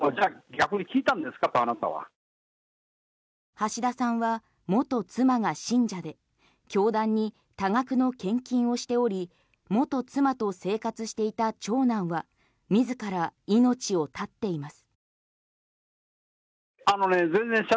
橋田さんは元妻が信者で教団に多額の献金をしており元妻と生活していた長男は自ら命を絶っています。